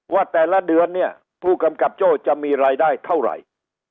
ว่าแต่ละเดือนเนี่ยผู้กำกับโจ้จะมีรายได้เท่าไหร่